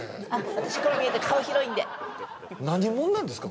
私こう見えて顔広いんで何者なんですか？